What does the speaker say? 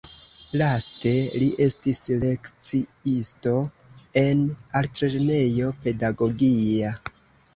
Laste li estis lekciisto en altlernejo pedagogia.